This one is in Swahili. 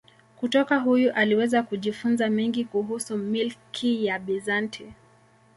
Kutoka huyu aliweza kujifunza mengi kuhusu milki ya Bizanti.